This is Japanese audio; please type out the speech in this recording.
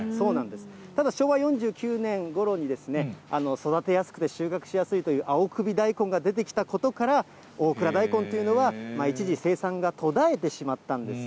ただ、昭和４９年ごろに、育てやすくて収穫しやすいという、青首大根が出てきたことから、大蔵大根というのは、一時、生産が途絶えてしまったんです。